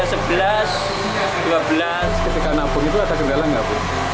ketika nabung itu ada kendala nggak bu